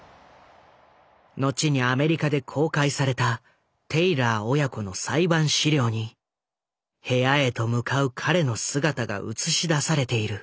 後にアメリカで公開されたテイラー親子の裁判資料に部屋へと向かう彼の姿が映し出されている。